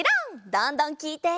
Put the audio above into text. どんどんきいて！